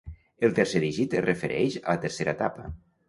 El tercer dígit es refereix a la tercera etapa.